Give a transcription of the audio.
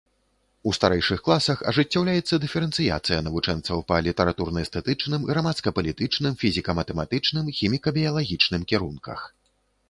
У старэйшых класах ажыццяўляецца дыферэнцыяцыя навучэнцаў па літаратурна-эстэтычным, грамадска-палітычным, фізіка-матэматычным, хіміка-біялагічным кірунках.